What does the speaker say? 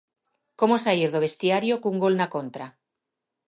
Como saír do vestiario cun gol na contra.